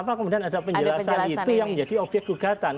kenapa kemudian ada penjelasan itu yang menjadi obyek gugatan